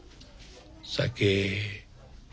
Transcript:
酒。